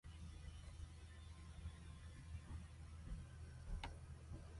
In spirit he remained a man of peace.